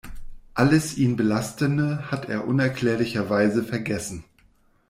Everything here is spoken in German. Alles ihn belastende hat er unerklärlicherweise vergessen.